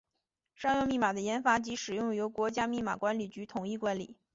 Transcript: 商用密码的研发及使用由国家密码管理局统一管理。